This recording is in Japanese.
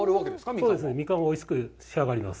そうですね、ミカンがおいしく仕上がります。